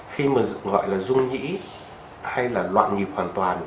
khi mà gọi là dung nhĩ hay là loạn nhịp hoàn toàn